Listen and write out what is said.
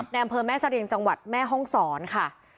อำเภอแม่เสรียงจังหวัดแม่ห้องศรค่ะ